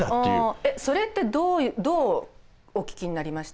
それってどうお聞きになりました？